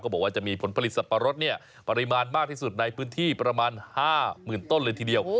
บอกว่าจะมีผลผลิตสับปะรดปริมาณมากที่สุดในพื้นที่ประมาณ๕๐๐๐ต้นเลยทีเดียว